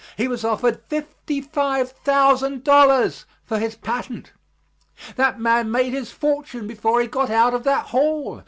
He was offered fifty five thousand dollars for his patent. That man made his fortune before he got out of that hall.